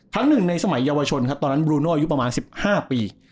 ครั้งหนึ่งในสมัยเยาวชนครับตอนนั้นบรูโนอายุประมาณ๑๕ปี